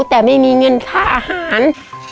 แต่ไม่มีเงินค่าอาหาร